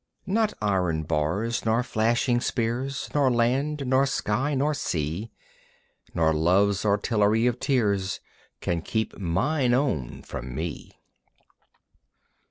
Not iron bars, nor flashing spears, Not land, nor sky, nor sea, Nor love's artillery of tears Can keep mine own from me.